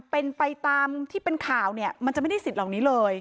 เป็นไปตามที่เป็นข่าวเนี่ยมันจะไม่ได้สิทธิ์เหล่านี้เลย